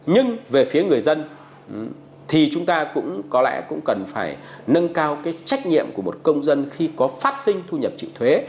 nhưng về phía người dân thì chúng ta cũng có lẽ cũng cần phải nâng cao cái trách nhiệm của một công dân khi có phát sinh thu nhập trịu thuế